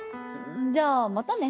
じゃあまたね。